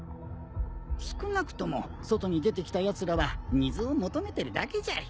少なくとも外に出てきたやつらは水を求めてるだけじゃい。